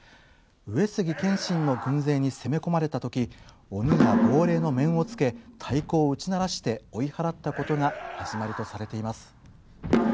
上杉謙信の軍勢に攻め込まれた時鬼や亡霊の面をつけ太鼓を打ち鳴らして追い払ったことが始まりとされています。